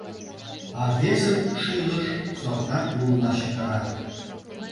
А весын шӱлыш сорта тулла чытыра.